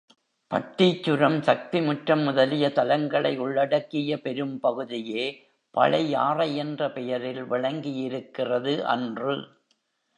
பட்டீச்சுரம், சக்திமுற்றம் முதலிய தலங்களை உள்ளடக்கிய பெரும் பகுதியே பழையாறை என்ற பெயரில் விளங்கியிருக்கிறது அன்று.